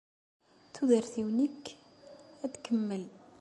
Tudert-iw nekk ad tkemmel.